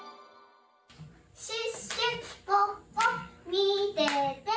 シュッシュポッポみてて！